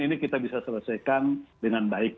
ini kita bisa selesaikan dengan baik